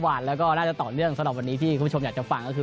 และหลักเหรอ้ะก็น่าจะต่อเรื่องที่คุณชมอยากจะฟังคือ